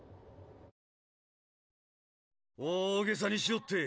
大げさにしおって。